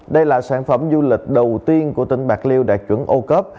đây là sản phẩm du lịch đầu tiên của tỉnh bạc liêu đạt chuẩn ô cớp